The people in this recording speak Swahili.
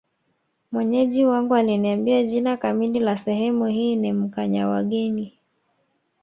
Mwenyeji wangu aliniambia jina kamili la sehemu hii ni Mkanyawageni